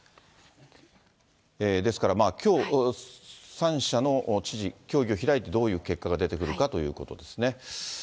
ですからまあ、きょう３者の知事、協議を開いて、どういう結果が出てくるかということですね。